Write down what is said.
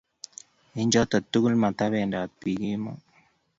eng choto tugul, matabendat biin kemoi